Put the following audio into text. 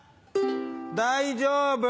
大丈夫。